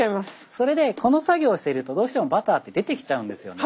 それでこの作業をしてるとどうしてもバターって出てきちゃうんですよね。